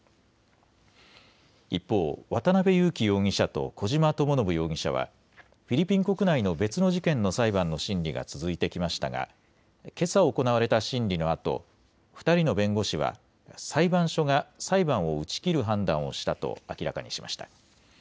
一方、渡邉優樹容疑者と小島智信容疑者は、フィリピン国内の別の事件の裁判の審理が続いてきましたがけさ行われた審理のあと、２人の弁護士は裁判所が裁判を打ち切る判断をしたと明らかにしました。